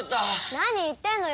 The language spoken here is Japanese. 何言ってるのよ